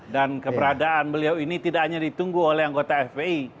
keberadaan beliau ini tidak hanya ditunggu oleh anggota fpi